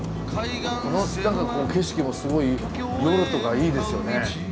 この景色もすごい夜とかいいですよね。